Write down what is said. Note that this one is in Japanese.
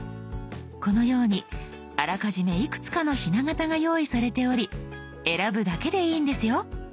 このようにあらかじめいくつかのひな型が用意されており選ぶだけでいいんですよ。